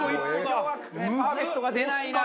今日はパーフェクトが出ないな。